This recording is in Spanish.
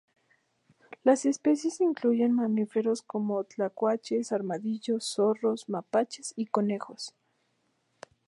Las especies incluye mamíferos como tlacuaches, armadillos, zorros, mapaches y conejos.